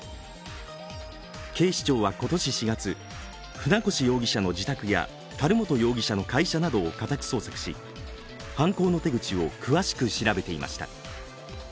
警視庁は今年４月、船越容疑者の自宅や樽本容疑者の会社などを家宅捜索し、犯行の手口を詳しく調べていました。